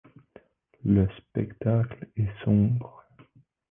Le spectacle est sombre.